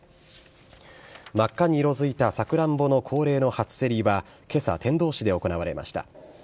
真っ赤に色づいたサクランボの恒例の初競りは、けさ、天童市で行われました。